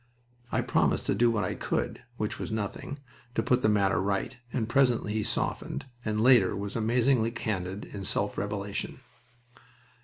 I promised to do what I could which was nothing to put the matter right, and presently he softened, and, later was amazingly candid in self revelation.